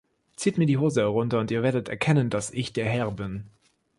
Zieht mir die Hose herunter und ihr werdet erkennen, dass ich der Herr bin!